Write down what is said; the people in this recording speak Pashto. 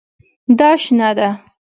دا شنه ده